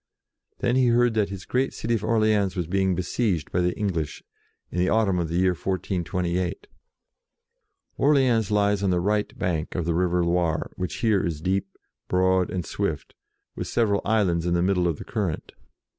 Then he heard that his great city of Orleans was being besieged by the English, in the autumn of the year 1428. Orleans lies on the right bank of the river Loire, which here is deep, broad, and swift, with several islands in the middle of the current.